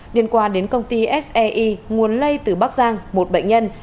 liên quan đến công ty sei nguồn lây từ bắc giang một bệnh nhân